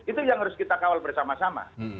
itu yang harus kita kawal bersama sama